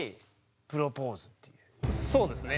そうですね。